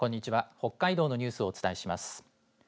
北海道のニュースをお伝えします。